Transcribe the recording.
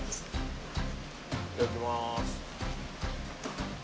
いただきます。